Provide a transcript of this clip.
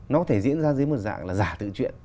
nó có thể diễn ra dưới một dạng là giả tự chuyện